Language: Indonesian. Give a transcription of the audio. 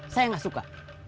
saya gak suka